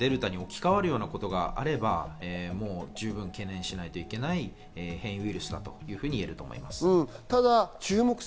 デルタに置きかわるようなことがあればじゅうぶん懸念しなければいけない変異ウイルスだというふうに言えると思います。